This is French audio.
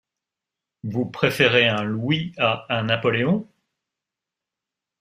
Vous préférez un louis à un napoléon!